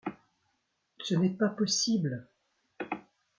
Ce n’est pas possible !...